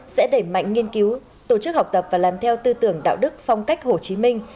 sẽ đẩy mạnh nghiên cứu tổ chức học tập và làm theo tư tưởng đạo đức phong cách hồ chí minh